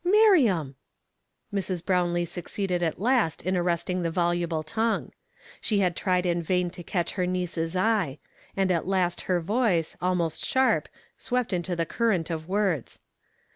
" Miriam !" Mi s. Brownlee succeeded at last in arresting the voluble tongue. She had tried in vain to catch her niece's eye ; and at last her voice, almost sharp, swept into the current of words.